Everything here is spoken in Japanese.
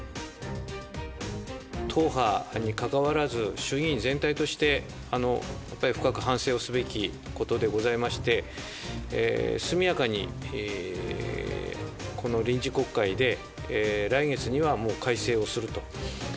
党派にかかわらず、衆議院全体として、やっぱり深く反省をすべきことでございまして、速やかにこの臨時国会で、来月にはもう改正をすると。